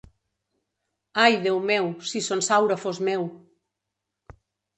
Ai, Déu meu, si Son Saura fos meu!